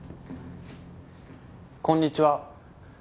こんにちは。